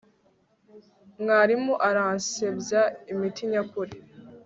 mwarimu aransebya imiti nyakuri